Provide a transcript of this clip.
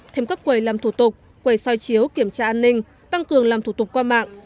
thêm các quầy làm thủ tục quầy soi chiếu kiểm tra an ninh tăng cường làm thủ tục qua mạng